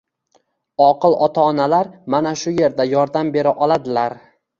Oqil ota-onalar mana shu yerda yordam bera oladilar!